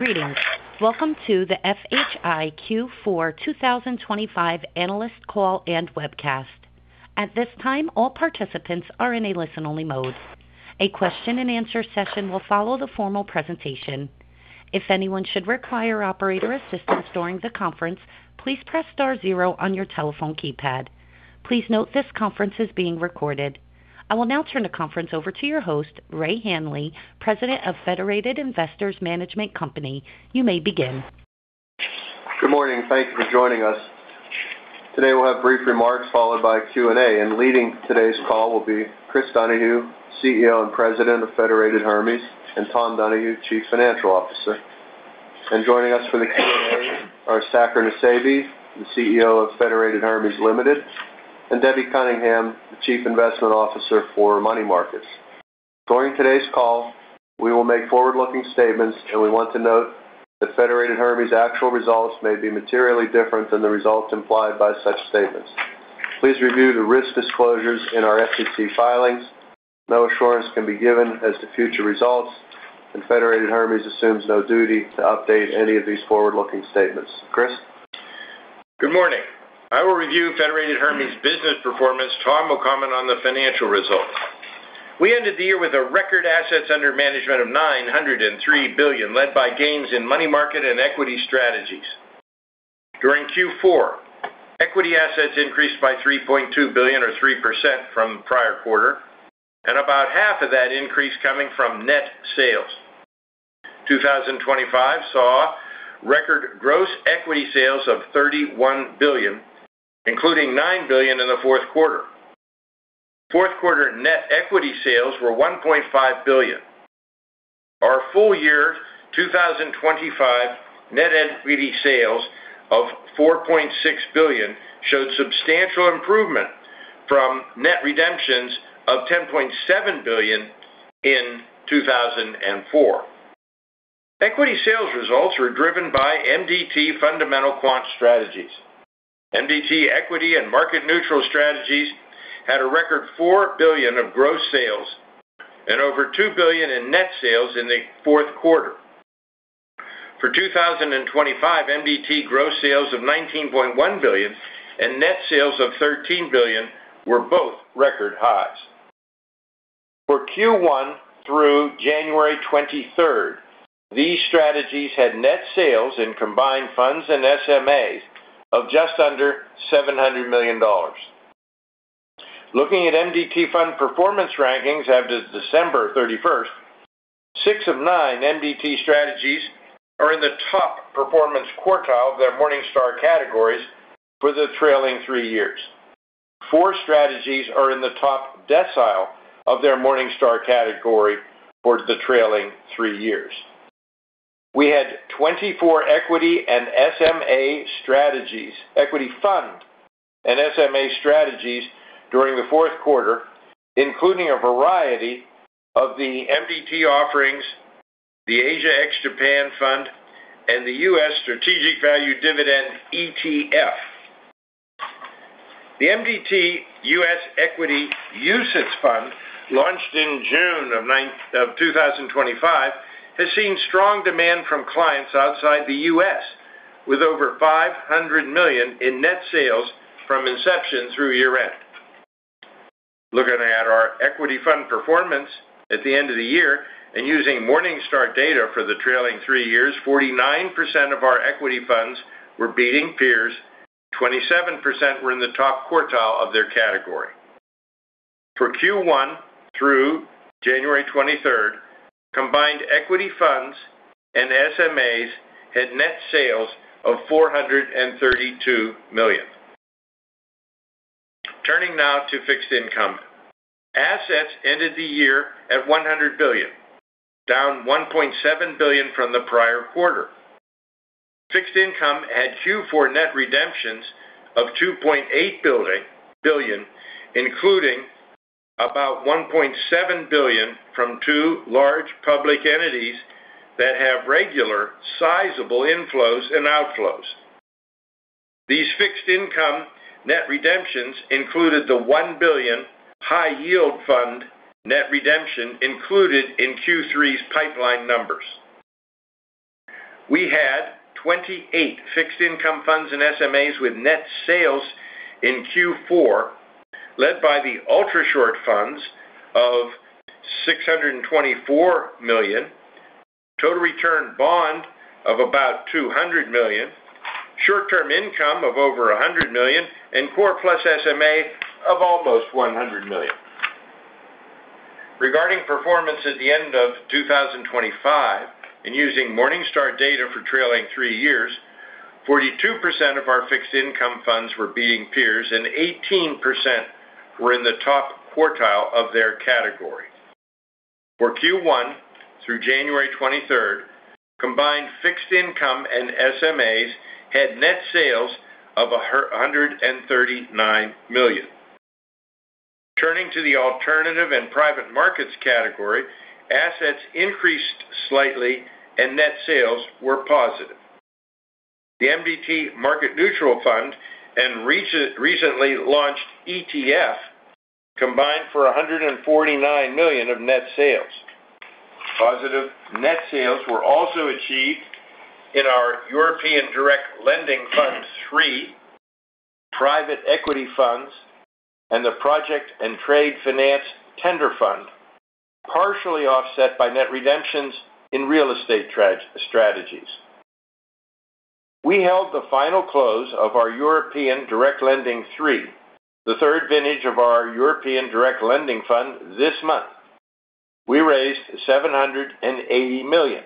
Greetings. Welcome to the FHI Q4 2025 Analyst call and webcast. At this time, all participants are in a listen-only mode. A question-and-answer session will follow the formal presentation. If anyone should require operator assistance during the conference, please press star zero on your telephone keypad. Please note this conference is being recorded. I will now turn the conference over to your host, Ray Hanley, President of Federated Investors Management Company. You may begin. Good morning, and thank you for joining us. Today, we'll have brief remarks followed by Q&A, and leading today's call will be Chris Donahue, CEO and President of Federated Hermes, and Tom Donahue, Chief Financial Officer. And joining us for the Q&A are Saker Nusseibeh, the CEO of Federated Hermes Limited, and Debbie Cunningham, the Chief Investment Officer for Money Markets. During today's call, we will make forward-looking statements, and we want to note that Federated Hermes' actual results may be materially different than the results implied by such statements. Please review the risk disclosures in our SEC filings. No assurance can be given as to future results, and Federated Hermes assumes no duty to update any of these forward-looking statements. Chris? Good morning. I will review Federated Hermes' business performance. Tom will comment on the financial results. We ended the year with a record asset under management of $903 billion, led by gains in money market and equity strategies. During Q4, equity assets increased by $3.2 billion or 3% from the prior quarter, and about half of that increase coming from net sales. 2025 saw record gross equity sales of $31 billion, including $9 billion in the Q4. Q4 net equity sales were $1.5 billion. Our full year 2025 net equity sales of $4.6 billion showed substantial improvement from net redemptions of $10.7 billion in 2004. Equity sales results were driven by MDT fundamental quant strategies. MDT Equity and Market Neutral Strategies had a record $4 billion of gross sales and over $2 billion in net sales in the Q4. For 2025, MDT gross sales of $19.1 billion and net sales of $13 billion were both record highs. For Q1 through January 23rd, these strategies had net sales in combined funds and SMAs of just under $700 million. Looking at MDT fund performance rankings as of December 31st, six of nine MDT strategies are in the top performance quartile of their Morningstar categories for the trailing three years. Four strategies are in the top decile of their Morningstar category for the trailing three years. We had 24 equity and SMA strategies, equity fund and SMA strategies during the Q4, including a variety of the MDT offerings, the Asia Ex-Japan Fund, and the U.S. Strategic Value Dividend ETF. The MDT U.S. Equity UCITS Fund, launched in June 2025, has seen strong demand from clients outside the U.S., with over $500 million in net sales from inception through year-end. Looking at our equity fund performance at the end of the year and using Morningstar data for the trailing three years, 49% of our equity funds were beating peers, 27% were in the top quartile of their category. For Q1 through January 23rd, combined equity funds and SMAs had net sales of $432 million. Turning now to fixed income. Assets ended the year at $100 billion, down $1.7 billion from the prior quarter. Fixed income had Q4 net redemptions of $2.8 billion, including about $1.7 billion from two large public entities that have regular, sizable inflows and outflows. These fixed income net redemptions included the $1 billion high-yield fund net redemption included in Q3's pipeline numbers. We had 28 fixed income funds and SMAs with net sales in Q4, led by the Ultrashort Funds of $624 million, Total Return Bond of about $200 million, Short-Term Income of over $100 million, and Core Plus SMA of almost $100 million. Regarding performance at the end of 2025, and using Morningstar data for trailing three years, 42% of our fixed income funds were beating peers and 18% were in the top quartile of their category. For Q1 through January 23rd, combined fixed income and SMAs had net sales of $139 million. Turning to the alternative and private markets category, assets increased slightly and net sales were positive. The MDT Market Neutral Fund and recently launched ETF combined for $149 million of net sales. Positive net sales were also achieved in our European Direct Lending Fund III, Private Equity Funds, and the Project and Trade Finance Tender Fund, partially offset by net redemptions in real estate strategies. We held the final close of our European Direct Lending III, the third vintage of our European Direct Lending Fund this month. We raised $780 million.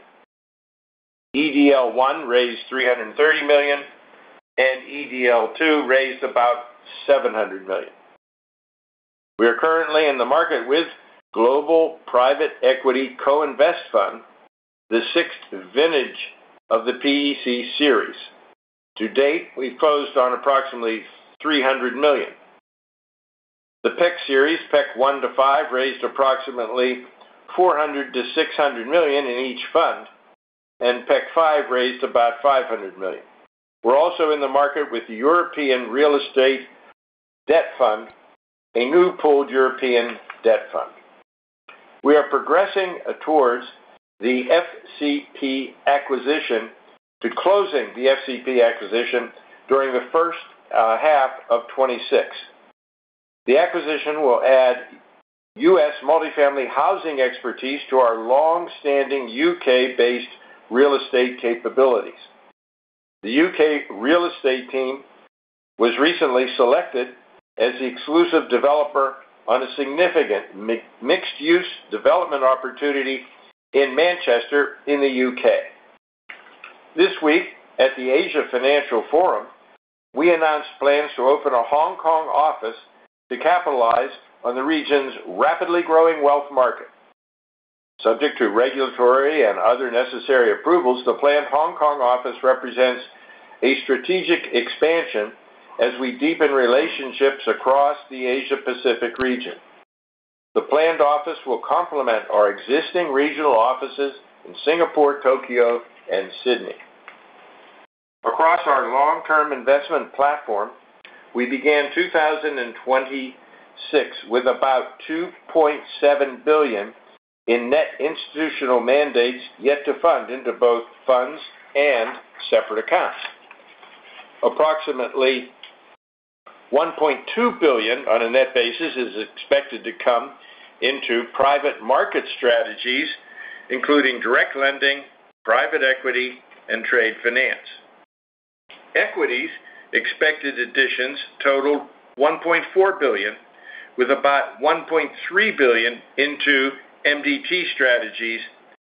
EDL one raised $330 million, and EDL two raised about $700 million. We are currently in the market with Global Private Equity Co-Invest Fund, the sixth vintage of the PEC series. To date, we've closed on approximately $300 million. The PEC series, PEC one to five, raised approximately $400 million-$600 million in each fund, and PEC five raised about $500 million. We're also in the market with the European Real Estate Debt Fund, a new pooled European debt fund. We are progressing towards the FCP acquisition to closing the FCP acquisition during the first half of 2026. The acquisition will add U.S. multifamily housing expertise to our long-standing U.K.-based real estate capabilities. The U.K. real estate team was recently selected as the exclusive developer on a significant mixed-use development opportunity in Manchester in the U.K. This week, at the Asia Financial Forum, we announced plans to open a Hong Kong office to capitalize on the region's rapidly growing wealth market. Subject to regulatory and other necessary approvals, the planned Hong Kong office represents a strategic expansion as we deepen relationships across the Asia Pacific region. The planned office will complement our existing regional offices in Singapore, Tokyo, and Sydney. Across our long-term investment platform, we began 2026 with about $2.7 billion in net institutional mandates yet to fund into both funds and separate accounts. Approximately $1.2 billion on a net basis is expected to come into private market strategies, including direct lending, private equity, and trade finance. Equities expected additions totaled $1.4 billion, with about $1.3 billion into MDT strategies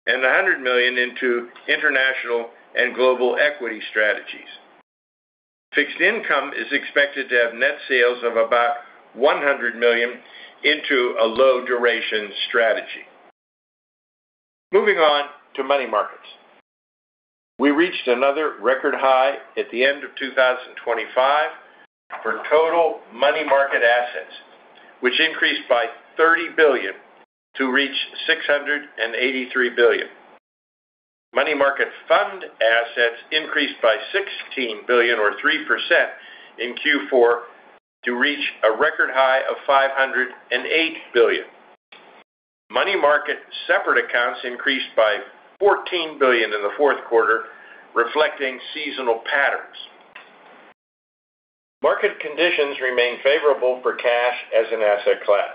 and $100 million into international and global equity strategies. Fixed income is expected to have net sales of about $100 million into a low-duration strategy. Moving on to money markets. We reached another record high at the end of 2025 for total money market assets, which increased by $30 billion to reach $683 billion. Money market fund assets increased by $16 billion or 3% in Q4 to reach a record high of $508 billion. Money market separate accounts increased by $14 billion in the Q4, reflecting seasonal patterns. Market conditions remain favorable for cash as an asset class.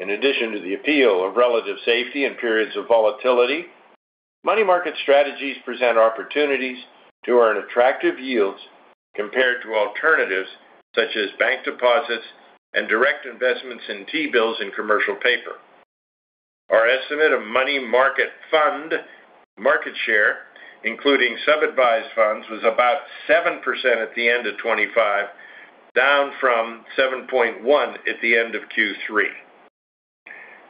In addition to the appeal of relative safety in periods of volatility, money market strategies present opportunities to earn attractive yields compared to alternatives such as bank deposits and direct investments in T-bills and commercial paper. Our estimate of money market fund market share, including sub-advised funds, was about 7% at the end of 2025, down from 7.1% at the end of Q3.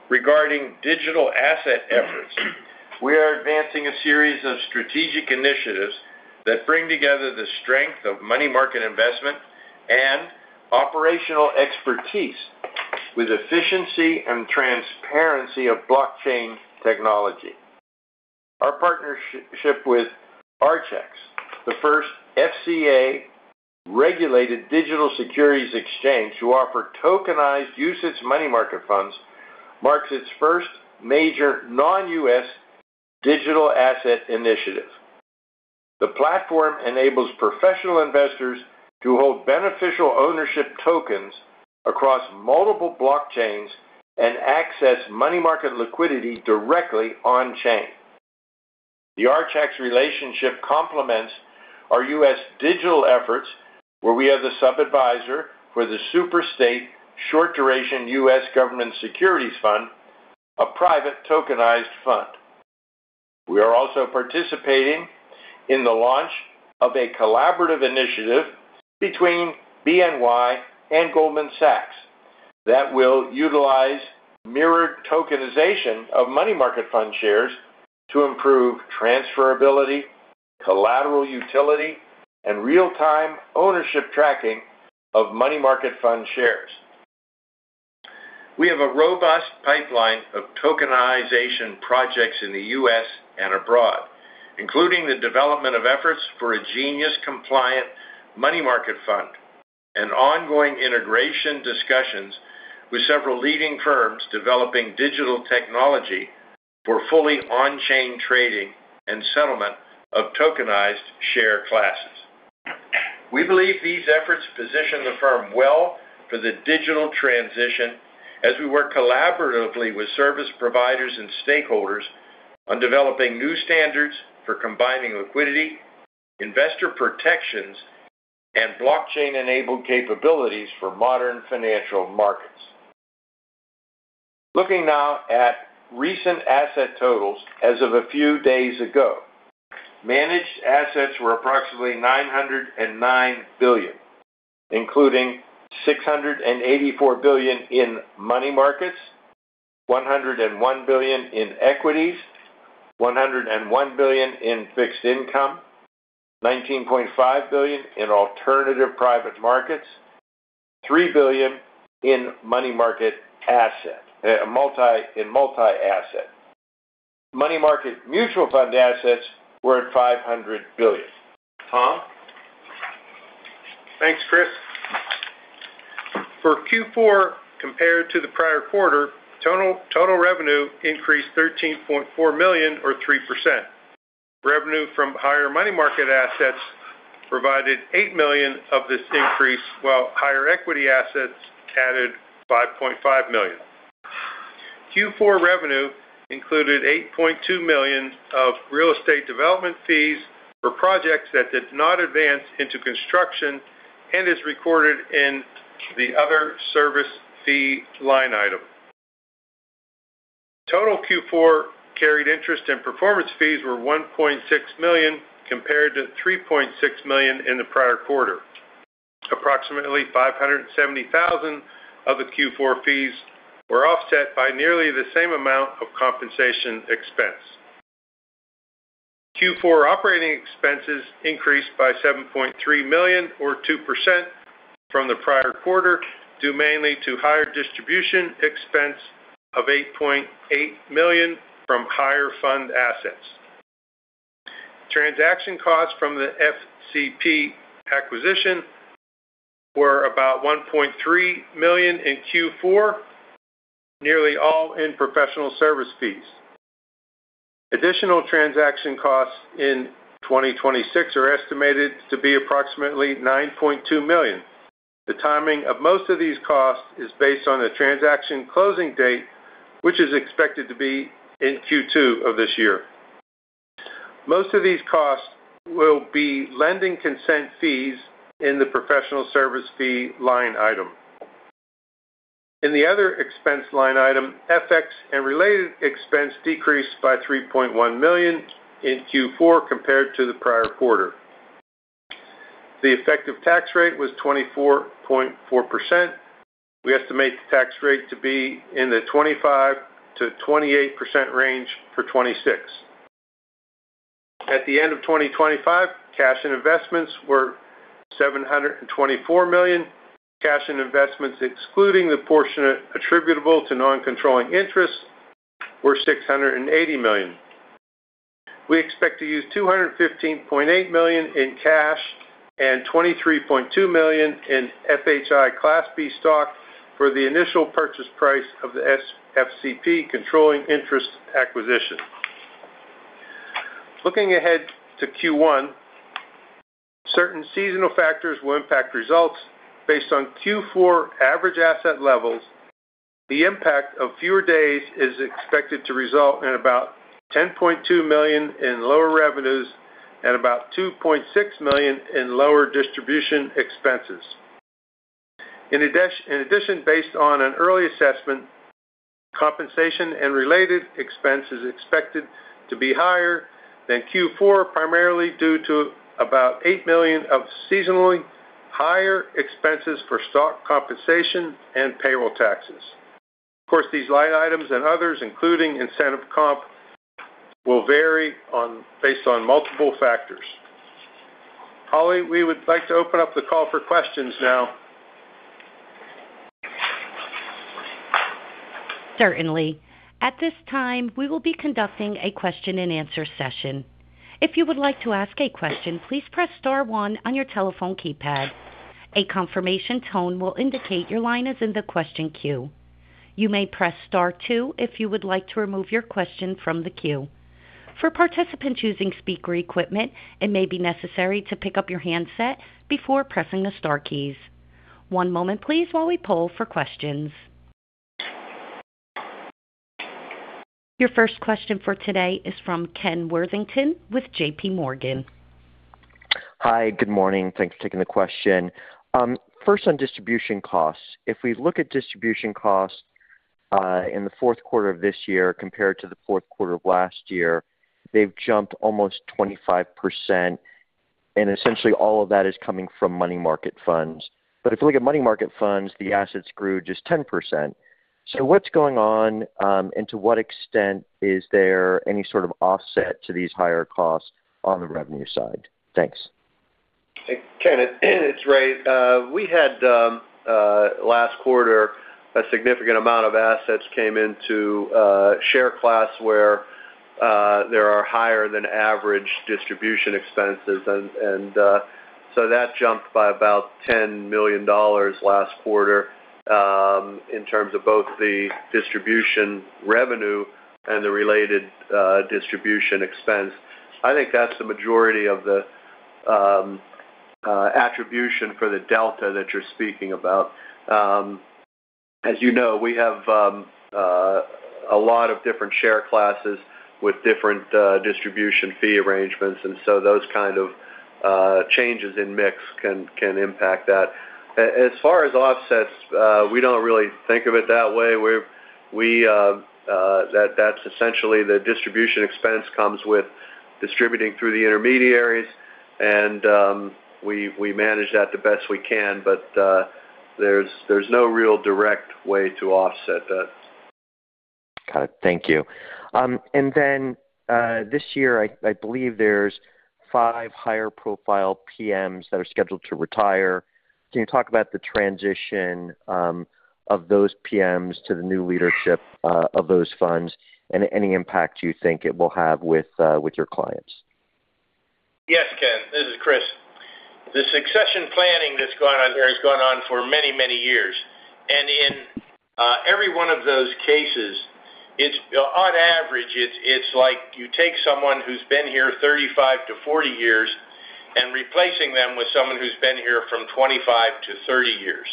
Regarding digital asset efforts, we are advancing a series of strategic initiatives that bring together the strength of money market investment and operational expertise with efficiency and transparency of blockchain technology. Our partnership with Archax, the first FCA-regulated digital securities exchange to offer tokenized U.S. money market funds, marks its first major non-U.S. digital asset initiative. The platform enables professional investors to hold beneficial ownership tokens across multiple blockchains and access money market liquidity directly on-chain. The Archax relationship complements our U.S. digital efforts, where we are the sub-adviser for the Superstate Short Duration US Government Securities Fund, a private tokenized fund. We are also participating in the launch of a collaborative initiative between BNY and Goldman Sachs that will utilize mirrored tokenization of money market fund shares to improve transferability, collateral utility, and real-time ownership tracking of money market fund shares. We have a robust pipeline of tokenization projects in the U.S. and abroad, including the development of efforts for a Genius-compliant money market fund and ongoing integration discussions with several leading firms developing digital technology for fully on-chain trading and settlement of tokenized share classes. We believe these efforts position the firm well for the digital transition as we work collaboratively with service providers and stakeholders on developing new standards for combining liquidity, investor protections, and blockchain-enabled capabilities for modern financial markets. Looking now at recent asset totals as of a few days ago. Managed assets were approximately $909 billion, including $684 billion in money markets, $101 billion in equities, $101 billion in fixed income, $19.5 billion in alternative private markets, $3 billion in multi-asset. Money market mutual fund assets were at $500 billion. Tom? Thanks, Chris. For Q4, compared to the prior quarter, total revenue increased $13.4 million, or 3%. Revenue from higher money market assets provided $8 million of this increase, while higher equity assets added $5.5 million. Q4 revenue included $8.2 million of real estate development fees for projects that did not advance into construction and is recorded in the other service fee line item. Total Q4 carried interest and performance fees were $1.6 million, compared to $3.6 million in the prior quarter. Approximately $570,000 of the Q4 fees were offset by nearly the same amount of compensation expense. Q4 operating expenses increased by $7.3 million, or 2%, from the prior quarter, due mainly to higher distribution expense of $8.8 million from higher fund assets. Transaction costs from the FCP acquisition were about $1.3 million in Q4, nearly all in professional service fees. Additional transaction costs in 2026 are estimated to be approximately $9.2 million. The timing of most of these costs is based on a transaction closing date, which is expected to be in Q2 of this year. Most of these costs will be lending consent fees in the professional service fee line item. In the other expense line item, FX and related expense decreased by $3.1 million in Q4 compared to the prior quarter. The effective tax rate was 24.4%. We estimate the tax rate to be in the 25%-28% range for 2026. At the end of 2025, cash and investments were $724 million. Cash and investments, excluding the portion attributable to non-controlling interests, were $680 million. We expect to use $215.8 million in cash and $23.2 million in FHI Class B stock for the initial purchase price of the FCP controlling interest acquisition. Looking ahead to Q1, certain seasonal factors will impact results. Based on Q4 average asset levels, the impact of fewer days is expected to result in about $10.2 million in lower revenues and about $2.6 million in lower distribution expenses. In addition, based on an early assessment, compensation and related expenses expected to be higher than Q4, primarily due to about $8 million of seasonally higher expenses for stock compensation and payroll taxes. Of course, these line items and others, including incentive comp, will vary based on multiple factors. Holly, we would like to open up the call for questions now. Certainly. At this time, we will be conducting a question-and-answer session. If you would like to ask a question, please press star one on your telephone keypad. A confirmation tone will indicate your line is in the question queue. You may press star two if you would like to remove your question from the queue. For participants using speaker equipment, it may be necessary to pick up your handset before pressing the star keys. One moment please while we poll for questions. Your first question for today is from Ken Worthington with J.P. Morgan. Hi, good morning. Thanks for taking the question. First, on distribution costs. If we look at distribution costs, in the Q4 of this year compared to the Q4 of last year, they've jumped almost 25%, and essentially all of that is coming from money market funds. But if you look at money market funds, the assets grew just 10%. So what's going on, and to what extent is there any sort of offset to these higher costs on the revenue side? Thanks. Kenneth, it's Ray. We had last quarter a significant amount of assets came into share class, where there are higher than average distribution expenses. And so that jumped by about $10 million last quarter, in terms of both the distribution revenue and the related distribution expense. I think that's the majority of the attribution for the delta that you're speaking about. As you know, we have a lot of different share classes with different distribution fee arrangements, and so those kind of changes in mix can impact that. As far as offsets, we don't really think of it that way. That's essentially the distribution expense comes with distributing through the intermediaries, and we manage that the best we can, but there's no real direct way to offset that. Got it. Thank you. And then this year, I believe there's five higher profile PMs that are scheduled to retire. Can you talk about the transition of those PMs to the new leadership of those funds and any impact you think it will have with your clients? Yes, Ken, this is Chris. The succession planning that's going on here has gone on for many, many years. And in every one of those cases, it's, on average, like you take someone who's been here 35-40 years and replacing them with someone who's been here from 25-30 years.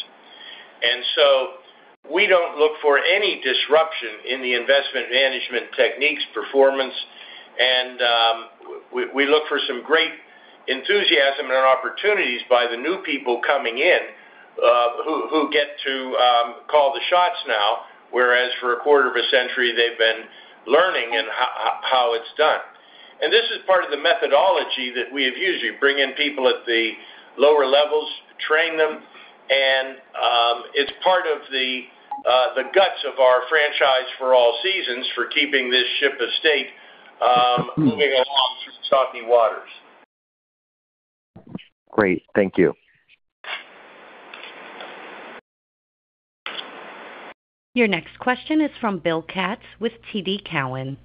And so we don't look for any disruption in the investment management techniques, performance. And we look for some great enthusiasm and opportunities by the new people coming in, who get to call the shots now, whereas for a quarter of a century, they've been learning in how it's done. And this is part of the methodology that we have used. You bring in people at the lower levels, train them, and it's part of the guts of our franchise for all seasons, for keeping this ship of state moving along through salty waters. Great. Thank you. Your next question is from Bill Katz with TD Cowen.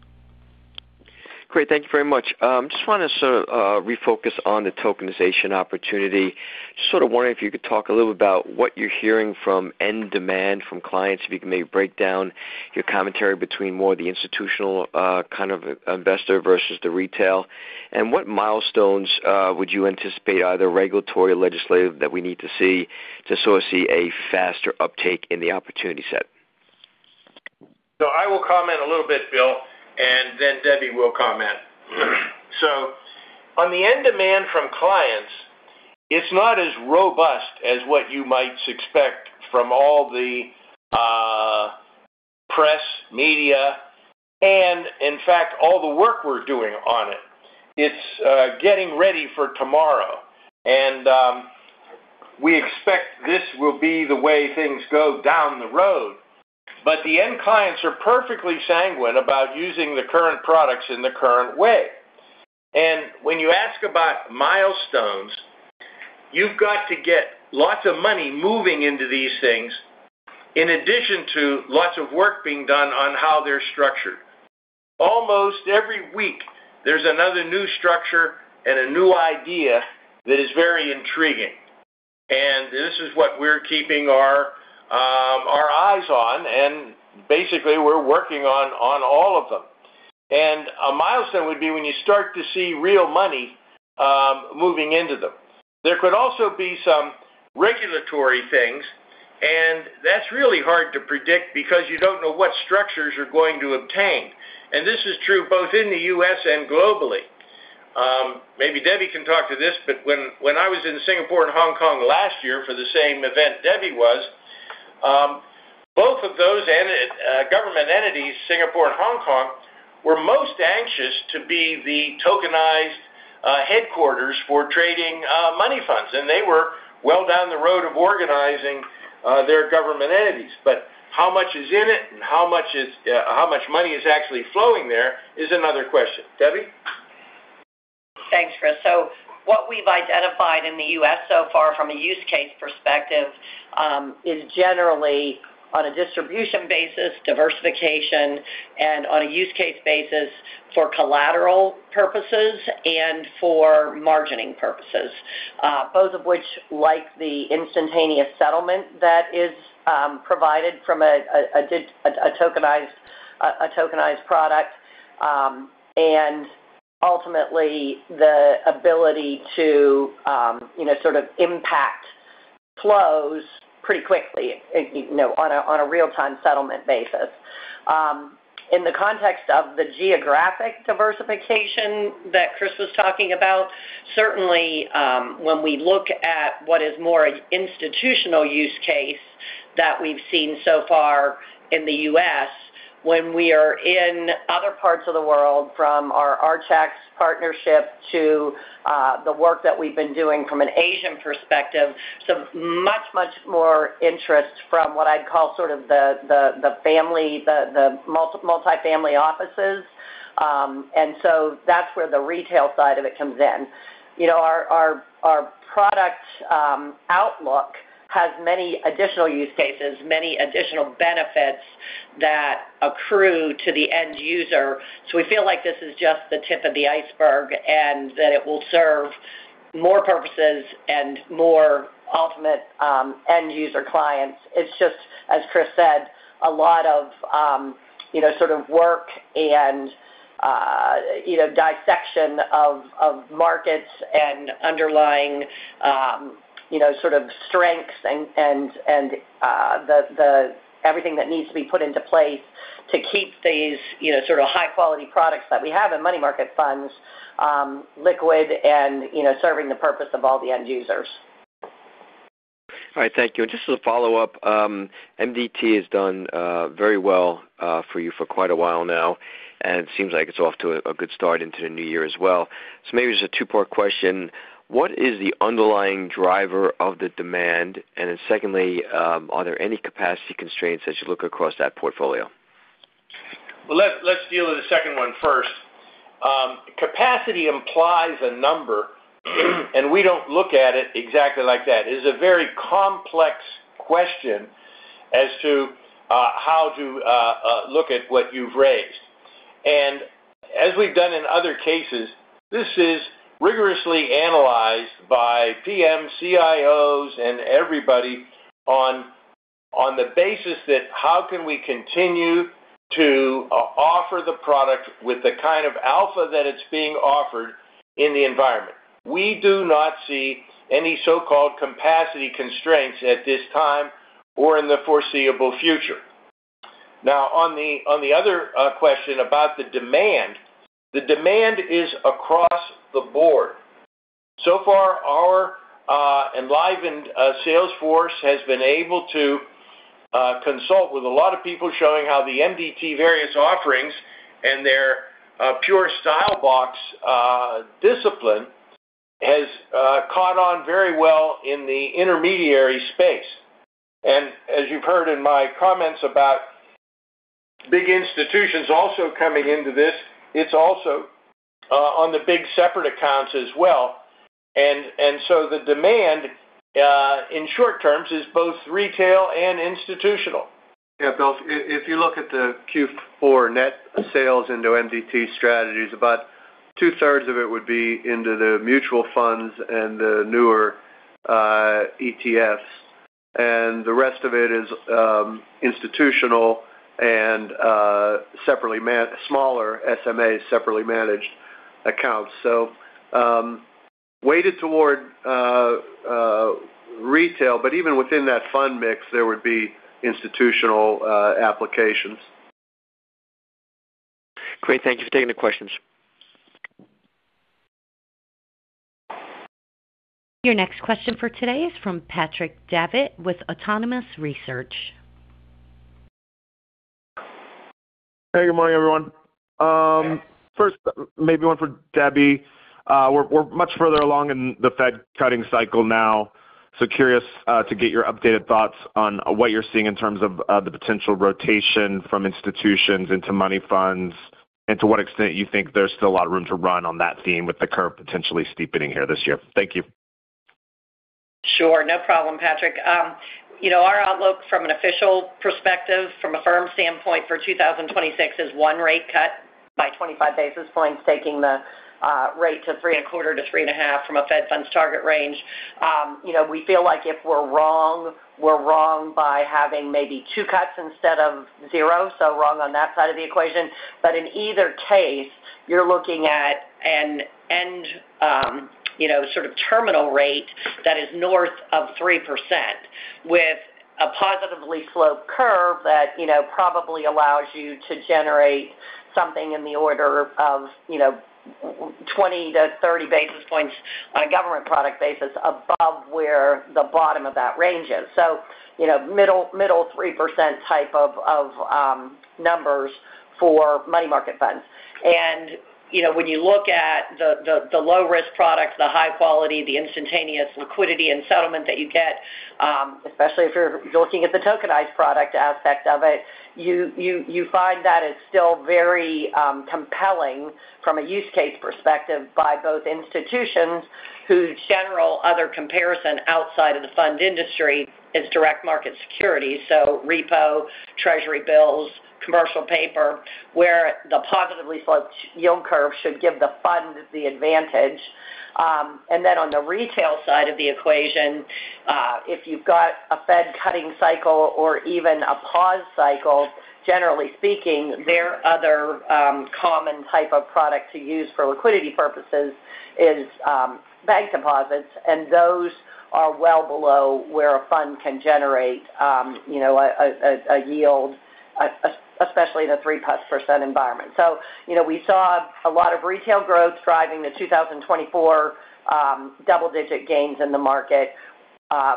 Great, thank you very much. Just want to sort of refocus on the tokenization opportunity. Just sort of wondering if you could talk a little about what you're hearing from end demand from clients. If you can maybe break down your commentary between more the institutional kind of investor versus the retail. And what milestones would you anticipate, either regulatory or legislative, that we need to see to sort of see a faster uptake in the opportunity set? So I will comment a little bit, Bill, and then Debbie will comment. So on the end demand from clients, it's not as robust as what you might expect from all the press, media, and in fact, all the work we're doing on it. It's getting ready for tomorrow, and we expect this will be the way things go down the road. But the end clients are perfectly sanguine about using the current products in the current way. And when you ask about milestones, you've got to get lots of money moving into these things, in addition to lots of work being done on how they're structured. Almost every week, there's another new structure and a new idea that is very intriguing. And this is what we're keeping our eyes on, and basically, we're working on all of them. A milestone would be when you start to see real money moving into them. There could also be some regulatory things, and that's really hard to predict because you don't know what structures you're going to obtain. And this is true both in the U.S. and globally. Maybe Debbie can talk to this, but when, when I was in Singapore and Hong Kong last year for the same event Debbie was, both of those government entities, Singapore and Hong Kong, were most anxious to be the tokenized headquarters for trading money funds, and they were well down the road of organizing their government entities. But how much is in it and how much is how much money is actually flowing there is another question. Debbie? Thanks, Chris. So what we've identified in the U.S. so far from a use case perspective is generally on a distribution basis, diversification, and on a use case basis for collateral purposes and for margining purposes. Both of which, like the instantaneous settlement that is provided from a tokenized product, and ultimately, the ability to, you know, sort of impact flows pretty quickly, you know, on a real-time settlement basis. In the context of the geographic diversification that Chris was talking about, certainly, when we look at what is more institutional use case that we've seen so far in the U.S., when we are in other parts of the world, from our Archax partnership to the work that we've been doing from an Asian perspective, so much more interest from what I'd call sort of the family, the multifamily offices. And so that's where the retail side of it comes in. You know, our product outlook has many additional use cases, many additional benefits that accrue to the end user. So we feel like this is just the tip of the iceberg, and that it will serve more purposes and more ultimate end user clients. It's just, as Chris said, a lot of you know, sort of work and you know, dissection of markets and underlying you know, sort of strengths and the everything that needs to be put into place to keep these you know, sort of high-quality products that we have in money market funds, liquid and you know, serving the purpose of all the end users. All right. Thank you. Just as a follow-up, MDT has done very well for you for quite a while now, and it seems like it's off to a good start into the new year as well. So maybe this is a two-part question. What is the underlying driver of the demand? And then secondly, are there any capacity constraints as you look across that portfolio? Well, let's deal with the second one first. Capacity implies a number, and we don't look at it exactly like that. It is a very complex question as to how to look at what you've raised. And as we've done in other cases, this is rigorously analyzed by PM, CIOs, and everybody on the basis that, how can we continue to offer the product with the kind of alpha that it's being offered in the environment? We do not see any so-called capacity constraints at this time or in the foreseeable future. Now, on the other question about the demand, the demand is across the board. So far, our enlivened sales force has been able to consult with a lot of people showing how the MDT various offerings and their pure style box discipline has caught on very well in the intermediary space. And as you've heard in my comments about big institutions also coming into this, it's also on the big separate accounts as well. And, and so the demand in short terms is both retail and institutional. Yeah, Bill, if you look at the Q4 net sales into MDT strategies, about two-thirds of it would be into the mutual funds and the newer ETFs, and the rest of it is institutional and smaller SMAs, separately managed accounts. So, weighted toward retail, but even within that fund mix, there would be institutional applications. Great. Thank you for taking the questions. Your next question for today is from Patrick Davitt with Autonomous Research. Hey, good morning, everyone. First, maybe one for Debbie. We're much further along in the Fed cutting cycle now, so curious to get your updated thoughts on what you're seeing in terms of the potential rotation from institutions into money funds, and to what extent you think there's still a lot of room to run on that theme with the curve potentially steepening here this year? Thank you. Sure. No problem, Patrick. You know, our outlook from an official perspective, from a firm standpoint for 2026, is one rate cut by 25 basis points, taking the rate to 3.25-3.5 from a Fed funds target range. You know, we feel like if we're wrong, we're wrong by having maybe two cuts instead of zero, so wrong on that side of the equation. But in either case, you're looking at an end, you know, sort of terminal rate that is north of 3%, with a positively sloped curve that, you know, probably allows you to generate something in the order of, you know, 20-30 basis points on a government product basis above where the bottom of that range is. So, you know, middle, middle 3% type of, of, numbers for money market funds. And, you know, when you look at the low-risk products, the high quality, the instantaneous liquidity and settlement that you get, especially if you're looking at the tokenized product aspect of it, you find that it's still very compelling from a use case perspective by both institutions whose general other comparison outside of the fund industry is direct market security. So repo, treasury bills, commercial paper, where the positively sloped yield curve should give the fund the advantage. And then on the retail side of the equation, if you've got a Fed cutting cycle or even a pause cycle, generally speaking, their other common type of product to use for liquidity purposes is bank deposits, and those are well below where a fund can generate, you know, a yield, especially in a 3%+ environment. So, you know, we saw a lot of retail growth driving the 2024 double-digit gains in the market,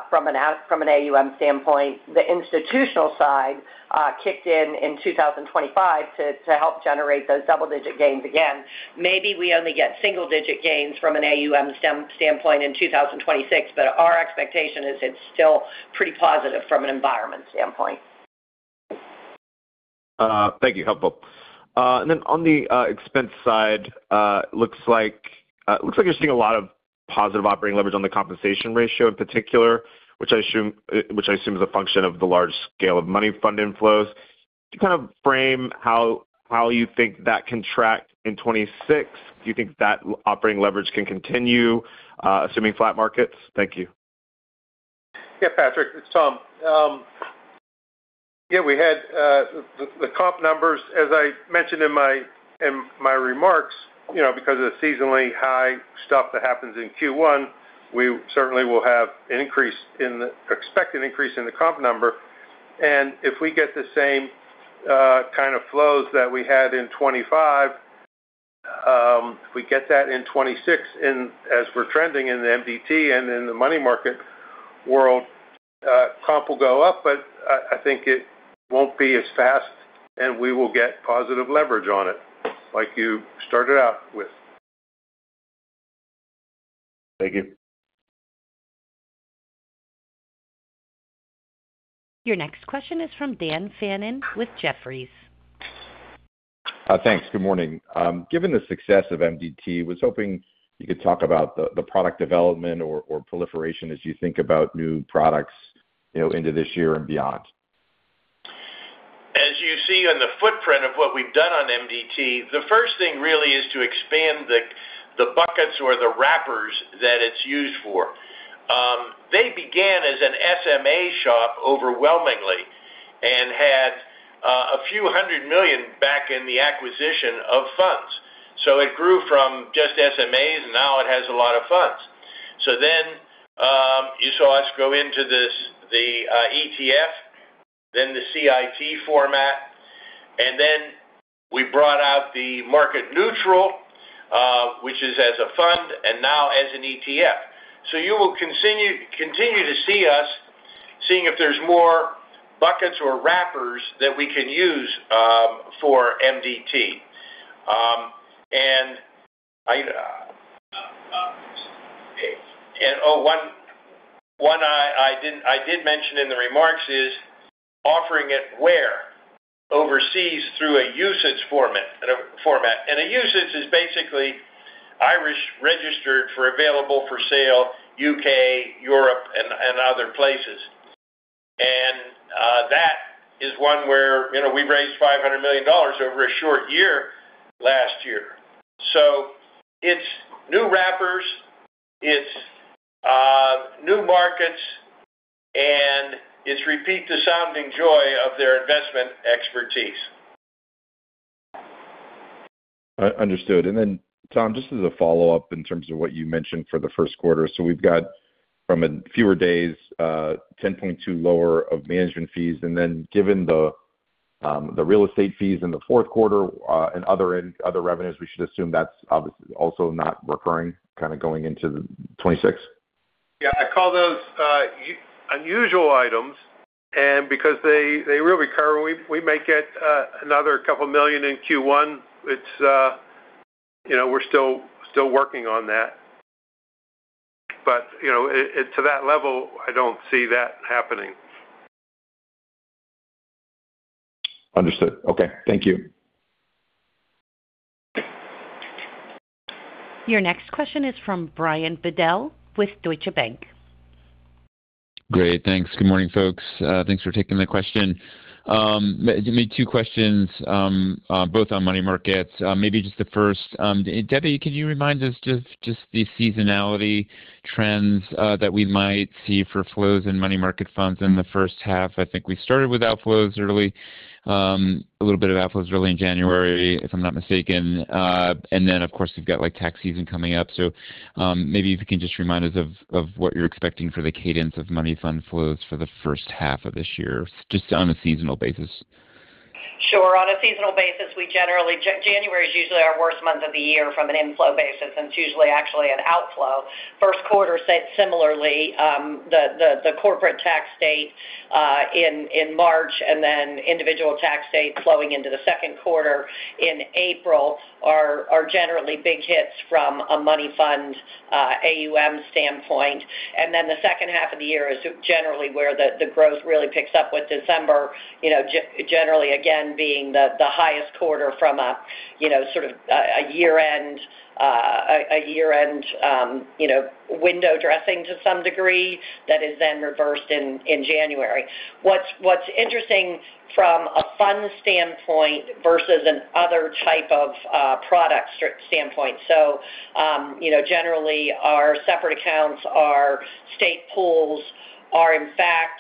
from an AUM standpoint. The institutional side kicked in in 2025 to help generate those double-digit gains again. Maybe we only get single-digit gains from an AUM standpoint in 2026, but our expectation is it's still pretty positive from an environment standpoint. Thank you. Helpful. Then on the expense side, looks like you're seeing a lot of positive operating leverage on the compensation ratio in particular, which I assume is a function of the large scale of money fund inflows. To kind of frame how you think that can track in 2026, do you think that operating leverage can continue, assuming flat markets? Thank you. Yeah, Patrick, it's Tom. Yeah, we had the comp numbers, as I mentioned in my remarks, you know, because of the seasonally high stuff that happens in Q1, we certainly will have an increase in the expected increase in the comp number. And if we get the same kind of flows that we had in 2025, if we get that in 2026, and as we're trending in the MDT and in the money market world, comp will go up, but I think it won't be as fast, and we will get positive leverage on it, like you started out with. Thank you. Your next question is from Dan Fannon with Jefferies. Thanks. Good morning. Given the success of MDT, was hoping you could talk about the product development or proliferation as you think about new products, you know, into this year and beyond. As you see on the footprint of what we've done on MDT, the first thing really is to expand the buckets or the wrappers that it's used for. They began as an SMA shop overwhelmingly and had a few $100 million back in the acquisition of funds. So it grew from just SMAs, and now it has a lot of funds. So then you saw us go into the ETF, then the CIT format, and then we brought out the market neutral which is as a fund and now as an ETF. So you will continue to see us seeing if there's more buckets or wrappers that we can use for MDT. And one I did mention in the remarks is offering it overseas through a UCITS format. UCITS is basically Irish registered for available for sale, U.K., Europe, and other places. That is one where, you know, we raised $500 million over a short year last year. So it's new wrappers, it's new markets, and it's repeat the sounding joy of their investment expertise. Understood. And then, Tom, just as a follow-up in terms of what you mentioned for the Q1. So we've got from fewer days, 10.2 lower of management fees, and then given the real estate fees in the Q4, and other revenues, we should assume that's obviously also not recurring, kind of going into 2026? Yeah, I call those unusual items, and because they will recur, we may get another $2 million in Q1. It's, you know, we're still working on that. But, you know, it at to that level, I don't see that happening. Understood. Okay. Thank you. Your next question is from Brian Bedell with Deutsche Bank. Great. Thanks. Good morning, folks. Thanks for taking the question. Maybe two questions, both on money markets. Maybe just the first, Debbie, can you remind us just, just the seasonality trends that we might see for flows in money market funds in the first half? I think we started with outflows early, a little bit of outflows early in January, if I'm not mistaken. And then, of course, we've got, like, tax season coming up. So, maybe if you can just remind us of what you're expecting for the cadence of money fund flows for the first half of this year, just on a seasonal basis. Sure. On a seasonal basis, we generally, January is usually our worst month of the year from an inflow basis, and it's usually actually an outflow. Q1, said similarly, the corporate tax date in March and then individual tax date flowing into the Q2 in April, are generally big hits from a money fund AUM standpoint. And then the second half of the year is generally where the growth really picks up, with December, you know, generally, again, being the highest quarter from a, you know, sort of a year-end, you know, window dressing to some degree that is then reversed in January. What's interesting from a fund standpoint versus another type of product standpoint, so you know, generally our separate accounts, our state pools are in fact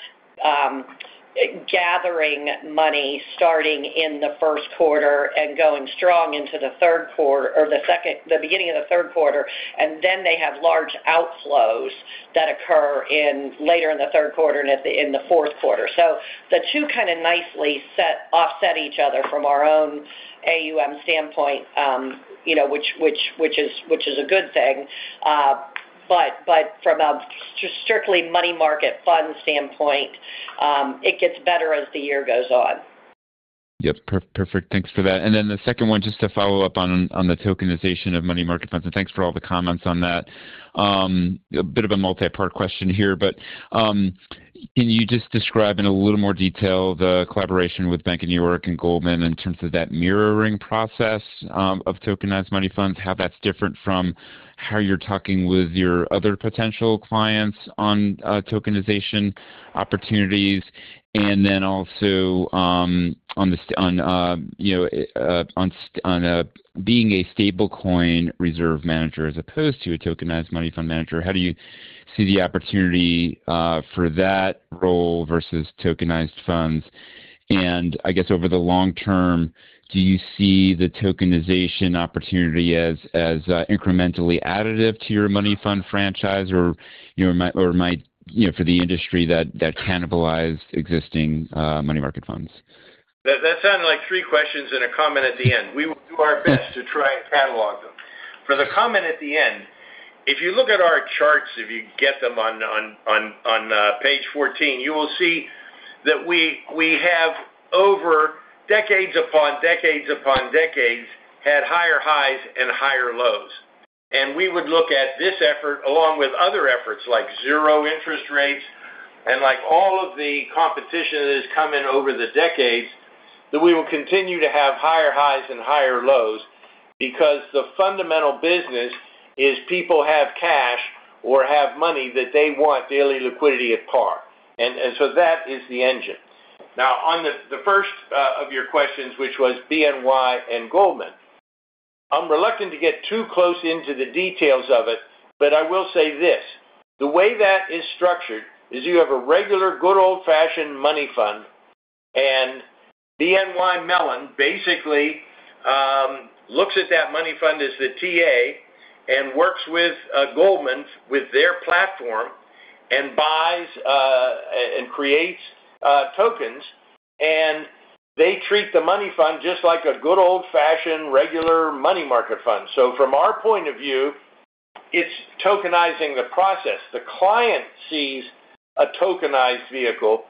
gathering money starting in the Q1 and going strong into the Q3, or the beginning of the Q3, and then they have large outflows that occur later in the Q3 and in the Q4. So the two kind of nicely set offset each other from our own AUM standpoint, you know, which is a good thing. But from a strictly money market fund standpoint, it gets better as the year goes on. Yep, perfect. Thanks for that. And then the second one, just to follow up on the tokenization of money market funds, and thanks for all the comments on that. A bit of a multipart question here, but, can you just describe in a little more detail the collaboration with Bank of New York and Goldman in terms of that mirroring process of tokenized money funds? How that's different from how you're talking with your other potential clients on tokenization opportunities, and then also, on the, on, you know, on, on being a stablecoin reserve manager as opposed to a tokenized money fund manager. How do you see the opportunity for that role versus tokenized funds? And I guess over the long term, do you see the tokenization opportunity as incrementally additive to your money fund franchise? Or, you know, or might, you know, for the industry that cannibalize existing money market funds. That sounded like three questions and a comment at the end. We will do our best to try and catalog them. For the comment at the end, if you look at our charts, if you get them on page 14, you will see that we have over decades upon decades upon decades had higher highs and higher lows. And we would look at this effort along with other efforts like zero interest rates and like all of the competition that has come in over the decades, that we will continue to have higher highs and higher lows because the fundamental business is people have cash or have money that they want daily liquidity at par. And so that is the engine. Now, on the first of your questions, which was BNY and Goldman. I'm reluctant to get too close into the details of it, but I will say this: the way that is structured is you have a regular, good old-fashioned money fund, and BNY Mellon basically looks at that money fund as the TA and works with Goldman, with their platform, and buys and creates tokens, and they treat the money fund just like a good old-fashioned, regular money market fund. So from our point of view, it's tokenizing the process. The client sees a tokenized vehicle,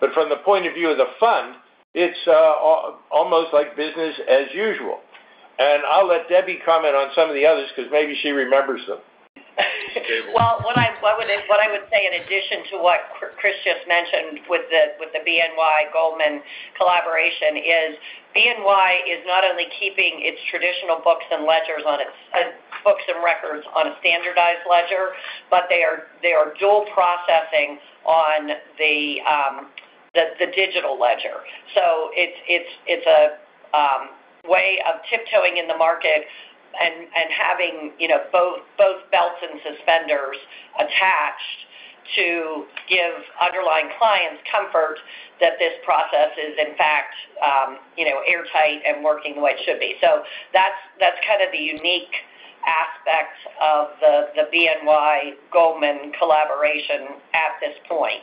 but from the point of view of the fund, it's almost like business as usual. And I'll let Debbie comment on some of the others because maybe she remembers them. Well, what I would say in addition to what Chris just mentioned with the BNY Goldman collaboration is BNY is not only keeping its traditional books and ledgers on its books and records on a standardized ledger, but they are dual processing on the digital ledger. So it's a way of tiptoeing in the market and having, you know, both belts and suspenders attached to give underlying clients comfort that this process is, in fact, you know, airtight and working the way it should be. So that's kind of the unique aspect of the BNY Goldman collaboration at this point.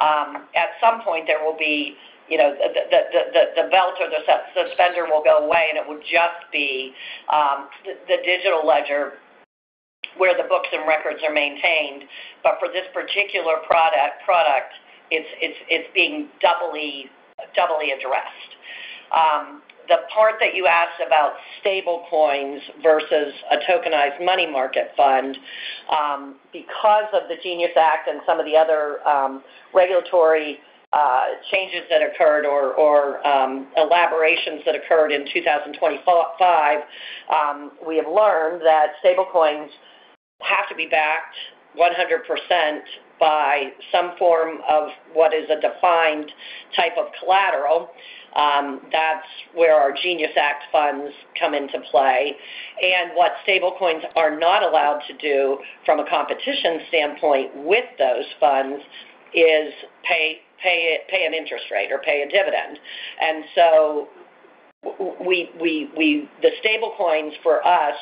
At some point, there will be, you know, the belt and suspenders will go away, and it will just be the digital ledger where the books and records are maintained. But for this particular product, it's being doubly addressed. The part that you asked about stable coins versus a tokenized money market fund, because of the Genius Act and some of the other regulatory changes that occurred or elaborations that occurred in 2025, we have learned that stable coins have to be backed 100% by some form of what is a defined type of collateral. That's where our Genius Act funds come into play. And what stablecoins are not allowed to do from a competition standpoint with those funds is pay, pay, pay an interest rate or pay a dividend. And so the stablecoins for us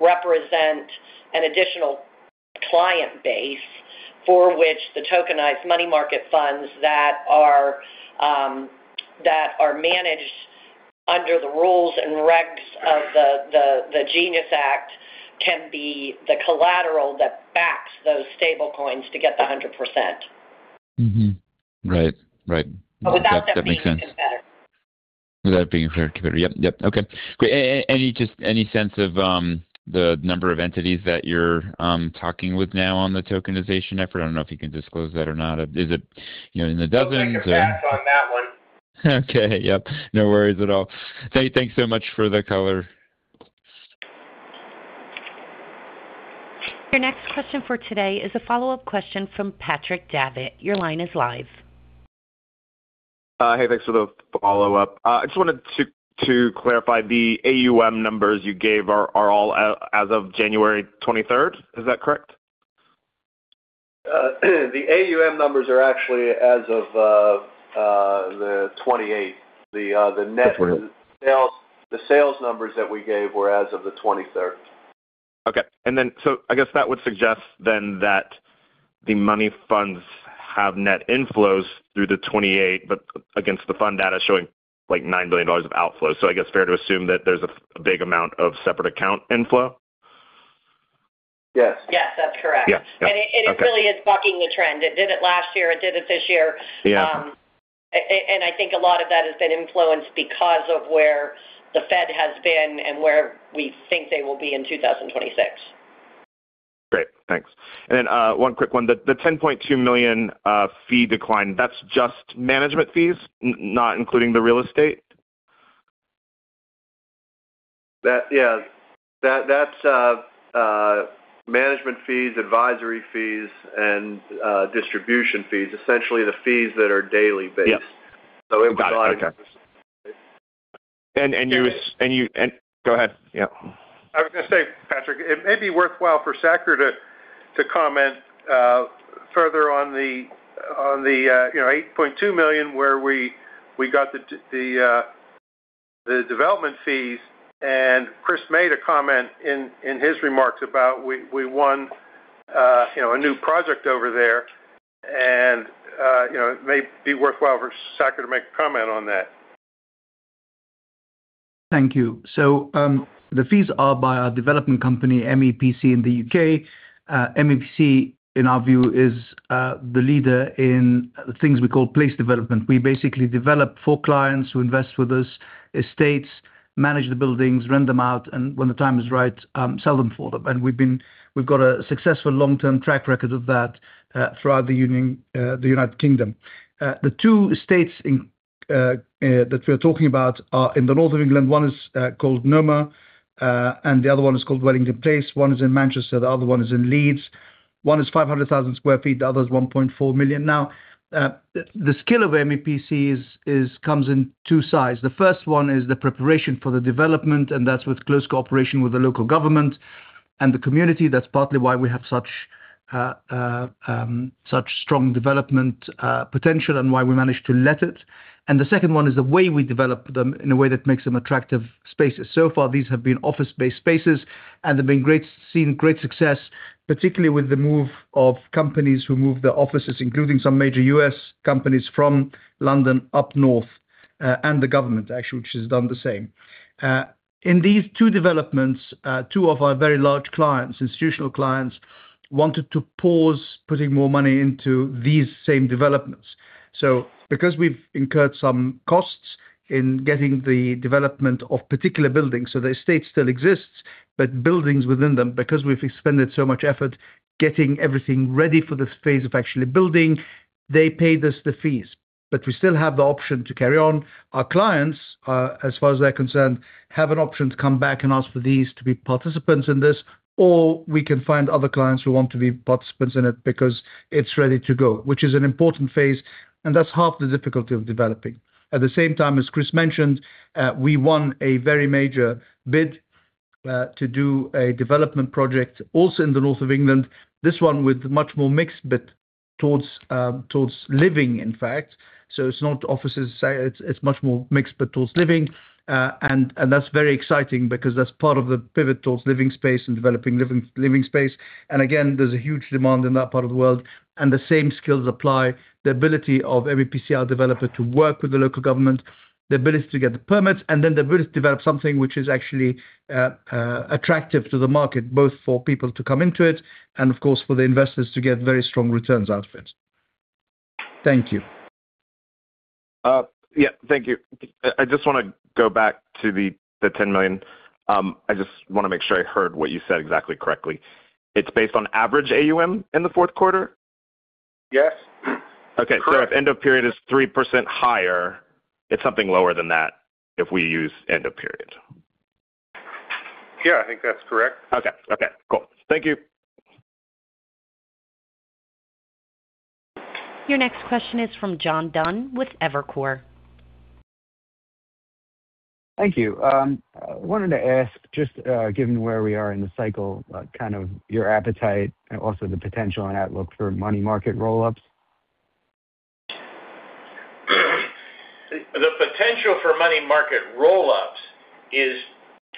represent an additional client base for which the tokenized money market funds that are managed under the rules and regs of the Genius Act can be the collateral that backs those stablecoins to get the 100%. Right. Right. But without that being any better. Without it being fair, yep, yep. Okay, great. Any, just any sense of the number of entities that you're talking with now on the tokenization effort? I don't know if you can disclose that or not. Is it, you know, in the dozens or— We'll take a pass on that one. Okay. Yep, no worries at all. Hey, thanks so much for the color. Your next question for today is a follow-up question from Patrick Davitt. Your line is live. Hey, thanks for the follow-up. I just wanted to clarify, the AUM numbers you gave are all as of January twenty-third. Is that correct? The AUM numbers are actually as of the 28th, the net— The 28th. The sales, the sales numbers that we gave were as of the 23rd. Okay. And then, so I guess that would suggest then that the money funds have net inflows through the 28th, but against the fund data showing like $9 billion of outflow. So I guess fair to assume that there's a, a big amount of separate account inflow? Yes. Yes, that's correct. Yes. Yeah. It really is bucking the trend. It did it last year, it did it this year. Yeah. And I think a lot of that has been influenced because of where the Fed has been and where we think they will be in 2026. Great, thanks. And then, one quick one. The $10.2 million fee decline, that's just management fees, not including the real estate? Yeah, that's management fees, advisory fees, and distribution fees, essentially, the fees that are daily based. Yeah. Got it. Okay. So it was. And go ahead. Yeah. I was gonna say, Patrick, it may be worthwhile for Saker to comment further on the you know $10.2 million, where we got the development fees. And Chris made a comment in his remarks about we won you know a new project over there. And you know it may be worthwhile for Saker to make a comment on that. Thank you. So, the fees are by our development company, MEPC, in the U.K. MEPC, in our view, is the leader in the things we call place development. We basically develop for clients who invest with us, estates, manage the buildings, rent them out, and when the time is right, sell them for them. And we've got a successful long-term track record of that, throughout the United Kingdom. The two estates that we're talking about are in the North of England. One is called NOMA, and the other one is called Wellington Place. One is in Manchester, the other one is in Leeds. One is 500,000 sq ft, the other is 1.4 million sq ft. Now, the skill of MEPC comes in two sides. The first one is the preparation for the development, and that's with close cooperation with the local government and the community. That's partly why we have such strong development potential and why we managed to let it. And the second one is the way we develop them in a way that makes them attractive spaces. So far, these have been office-based spaces, and they've been great, seen great success, particularly with the move of companies who move their offices, including some major U.S. companies from London up north, and the government, actually, which has done the same. In these two developments, two of our very large clients, institutional clients, wanted to pause putting more money into these same developments. So because we've incurred some costs in getting the development of particular buildings, so the estate still exists, but buildings within them, because we've expended so much effort getting everything ready for the phase of actually building, they paid us the fees, but we still have the option to carry on. Our clients, as far as they're concerned, have an option to come back and ask for these to be participants in this, or we can find other clients who want to be participants in it because it's ready to go, which is an important phase, and that's half the difficulty of developing. At the same time, as Chris mentioned, we won a very major bid to do a development project also in the North of England, this one with much more mixed, but towards living, in fact. So it's not offices, it's much more mixed, but towards living. And that's very exciting because that's part of the pivot towards living space and developing living, living space. And again, there's a huge demand in that part of the world, and the same skills apply, the ability of MEPC, our developer, to work with the local government, the ability to get the permits, and then the ability to develop something which is actually attractive to the market, both for people to come into it and, of course, for the investors to get very strong returns out of it. Thank you. Yeah, thank you. I just wanna go back to the $10 million. I just wanna make sure I heard what you said exactly correctly. It's based on average AUM in the Q4? Yes. Okay. Correct. So if end of period is 3% higher, it's something lower than that if we use end of period. Yeah, I think that's correct. Okay. Okay, cool. Thank you. Your next question is from John Dunn with Evercore. Thank you. I wanted to ask, just, given where we are in the cycle, kind of your appetite and also the potential and outlook for money market roll-ups? The potential for money market roll-ups is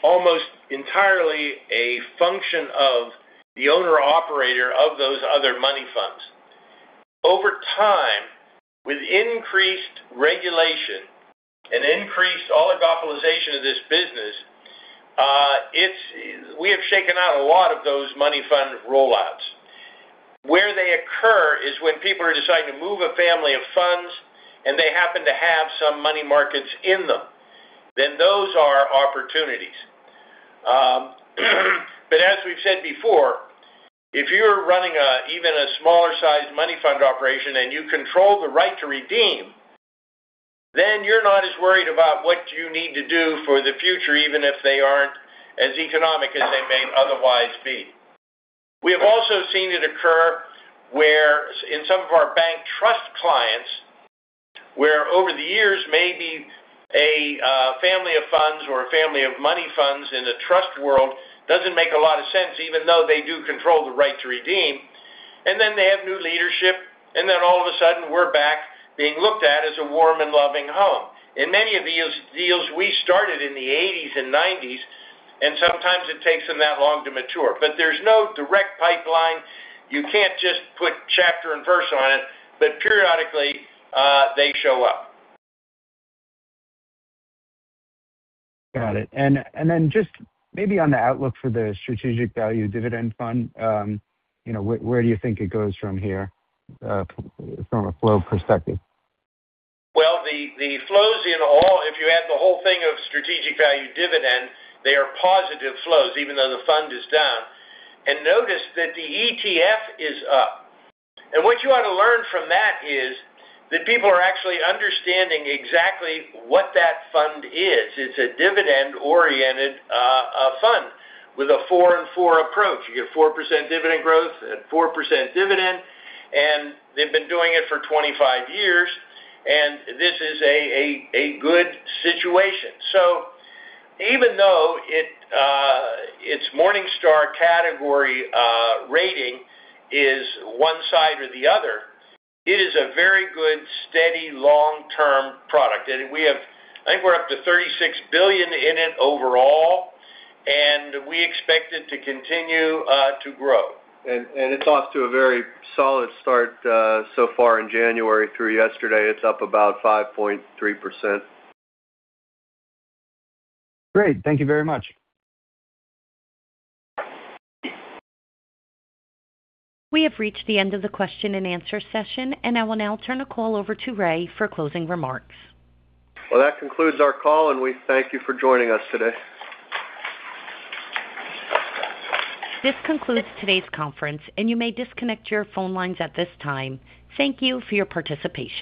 almost entirely a function of the owner or operator of those other money funds. Over time, with increased regulation and increased oligopolization of this business, we have shaken out a lot of those money fund roll outs. Where they occur is when people are deciding to move a family of funds, and they happen to have some money markets in them, then those are opportunities. But as we've said before, if you're running even a smaller-sized money fund operation, and you control the right to redeem, then you're not as worried about what you need to do for the future, even if they aren't as economic as they may otherwise be. We have also seen it occur where in some of our bank trust clients, where over the years, maybe a family of funds or a family of money funds in the trust world doesn't make a lot of sense, even though they do control the right to redeem, and then they have new leadership, and then all of a sudden, we're back being looked at as a warm and loving home. In many of these deals, we started in the 1980s and 1990s, and sometimes it takes them that long to mature. There's no direct pipeline. You can't just put chapter and verse on it, but periodically, they show up. Got it. And then just maybe on the outlook for the Strategic Value Dividend Fund, you know, where do you think it goes from here, from a flow perspective? Well, the flows in all. If you add the whole thing of Strategic Value Dividend, they are positive flows, even though the fund is down. And notice that the ETF is up. And what you ought to learn from that is that people are actually understanding exactly what that fund is. It's a dividend-oriented fund with a four and four approach. You get 4% dividend growth and 4% dividend, and they've been doing it for 25 years, and this is a good situation. So even though its Morningstar category rating is one side or the other, it is a very good, steady, long-term product. And we have—I think we're up to $36 billion in it overall, and we expect it to continue to grow. It's off to a very solid start, so far in January through yesterday, it's up about 5.3%. Great. Thank you very much. We have reached the end of the question and answer session, and I will now turn the call over to Ray for closing remarks. Well, that concludes our call, and we thank you for joining us today. This concludes today's conference, and you may disconnect your phone lines at this time. Thank you for your participation.